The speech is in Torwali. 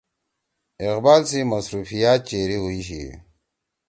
اقبال سی مصروفیات چیری ہُوئی شی